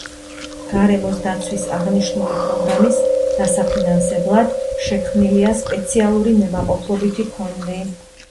გარემოს დაცვის აღნიშნული პროგრამის დასაფინანსებლად შექმნილია სპეციალური ნებაყოფლობითი ფონდი.